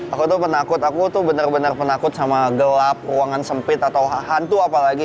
aku tuh penakut aku tuh bener bener penakut sama gelap ruangan sempit atau hantu apalagi